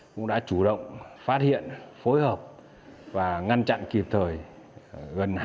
cũng đã chủ động phát hiện phối hợp và ngăn chặn kịp thời gần hai mươi vụ